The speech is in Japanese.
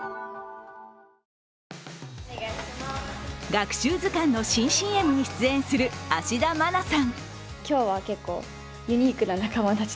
学習図鑑の新ＣＭに出演する芦田愛菜さん。